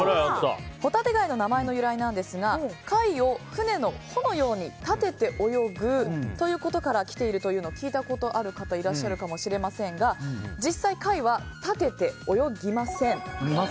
ホタテ貝の名前の由来なんですが貝を船の帆のように立てて泳ぐということからきていると聞いたことがある方いらっしゃるかもしれませんが実際、貝は立てて泳ぎません。